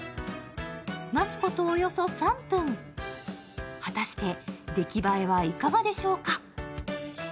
待つことおよそ３分、果たして出来栄えはいかがでしょうか？